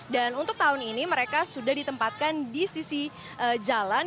dan untuk tahun ini mereka sudah ditempatkan di sisi jalan